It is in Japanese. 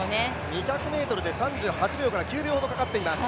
２００ｍで３８秒から３９秒ほどかかっています。